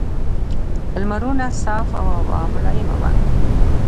لمرونه صاف او هوا ملایمه وه.